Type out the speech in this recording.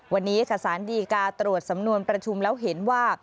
วันนี้ค่ะสารดีกาตรวจสำนวนประชุมแล้วเห็นว่า